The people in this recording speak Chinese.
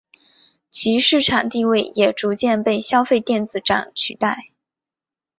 其市场地位也逐渐被消费电子展取代。